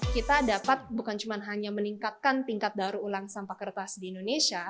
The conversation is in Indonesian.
kita dapat bukan hanya meningkatkan tingkat baru ulang sampah kertas ini